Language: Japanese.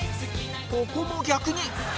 ここも逆に